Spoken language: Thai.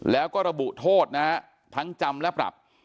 แล้วก็ระบุโทษนะฮะทั้งจำและปรับ